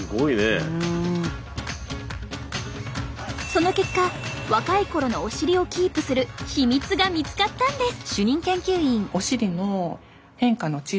その結果若い頃のお尻をキープするヒミツが見つかったんです。